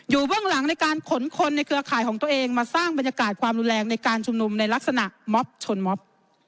เบื้องหลังในการขนคนในเครือข่ายของตัวเองมาสร้างบรรยากาศความรุนแรงในการชุมนุมในลักษณะม็อบชนม็อบ